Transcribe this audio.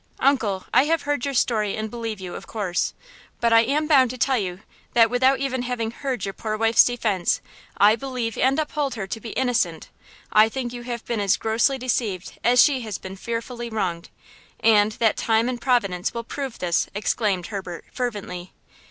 "Uncle, I have heard your story and believe you, of course. But I am bound to tell you that without even having heard your poor wife's defense, I believe and uphold her to be innocent! I think you have been as grossly deceived as she has been fearfully wronged! and that time and Providence will prove this!" exclaimed Herbert, fervently.